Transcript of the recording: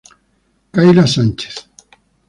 Kayla Sanchez